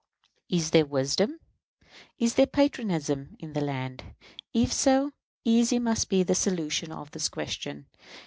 Is there wisdom, is there patriotism in the land? If so, easy must be the solution of this question.